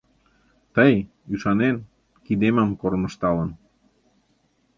Тый, ӱшанен, кидемым кормыжталын